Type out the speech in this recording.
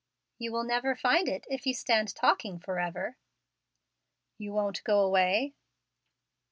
"You will never find it if you stand talking forever." "You won't go away?"